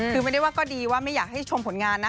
คือไม่ได้ว่าก็ดีว่าไม่อยากให้ชมผลงานนะ